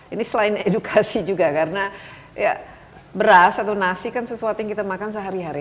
ini selain edukasi juga karena ya beras atau nasi kan sesuatu yang kita makan sehari hari